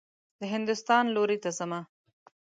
د هندوستان لوري ته حمه.